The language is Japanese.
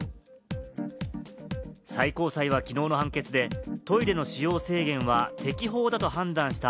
最高裁はきのうの判決で、トイレの使用制限は適法だと判断した